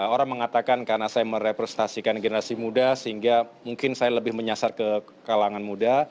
orang mengatakan karena saya merepresentasikan generasi muda sehingga mungkin saya lebih menyasar ke kalangan muda